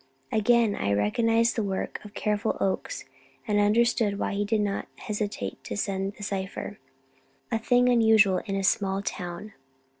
Again I recognized the work of careful Oakes, and understood why he did not hesitate to send the cipher a thing unusual in a small town.